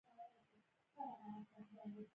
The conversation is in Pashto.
ایا زه عینکې لګولی شم؟